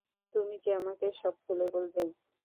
তুমি কি আমাকে সব খুলে বলবে?